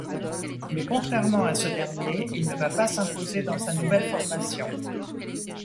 Mais contrairement à ce dernier, il ne va pas s'imposer dans sa nouvelle formation.